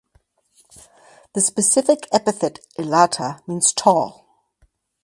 The specific epithet ("elata") means "tall".